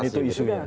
bukan itu isunya